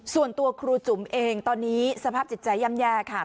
ส่วนตัวครูจุ๋มเองตอนนี้สภาพจิตใจย่ำแย่ค่ะ